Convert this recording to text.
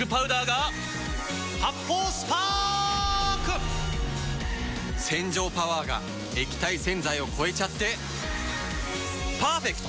発泡スパーク‼洗浄パワーが液体洗剤を超えちゃってパーフェクト！